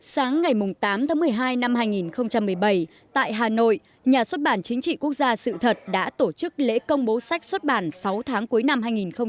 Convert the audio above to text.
sáng ngày tám tháng một mươi hai năm hai nghìn một mươi bảy tại hà nội nhà xuất bản chính trị quốc gia sự thật đã tổ chức lễ công bố sách xuất bản sáu tháng cuối năm hai nghìn một mươi chín